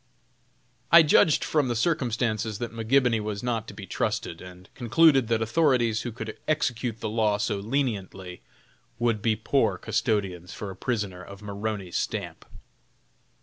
I judged from the circumstances that McGibony was not to be trusted, and concluded that authorities who could execute the law so leniently, would be poor custodians for a prisoner of Maroney's stamp.